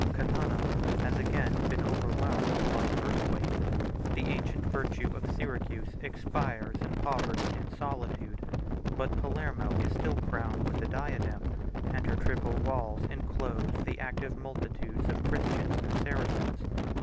134 Catana has again been overwhelmed by an earthquake: the ancient virtue of Syracuse expires in poverty and solitude; 135 but Palermo is still crowned with a diadem, and her triple walls enclose the active multitudes of Christians and Saracens.